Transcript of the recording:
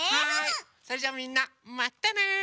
それじゃあみんなまたね！